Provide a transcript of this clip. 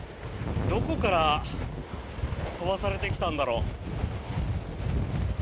どこから飛ばされてきたんだろう。